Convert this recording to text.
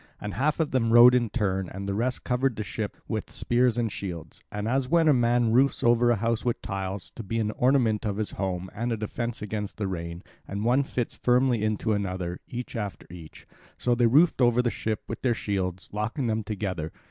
And half of them rowed in turn, and the rest covered the ship with spears and shields. And as when a man roofs over a house with tiles, to be an ornament of his home and a defence against rain, and one the fits firmly into another, each after each; so they roofed over the ship with their shields, locking them together.